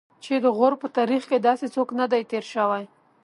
چې د غور په تاریخ کې داسې څوک نه دی تېر شوی.